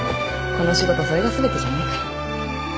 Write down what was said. この仕事それが全てじゃないから